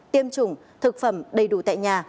tiêm chủng thực phẩm đầy đủ tại nhà